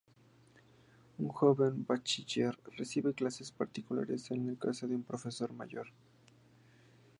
Una joven bachiller recibe clases particulares en la casa de un profesor mayor.